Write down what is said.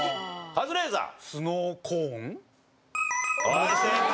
はい正解。